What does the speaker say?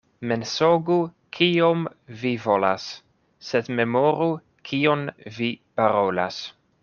Mensogu kiom vi volas, sed memoru kion vi parolas.